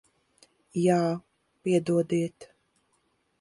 Jā. Piedodiet.